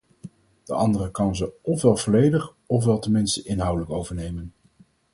De andere kan ze ofwel volledig ofwel tenminste inhoudelijk overnemen.